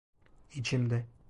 İçimde.